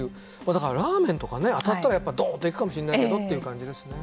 だからラーメンとかね当たったらやっぱドンと行くかもしれないけどっていう感じですね。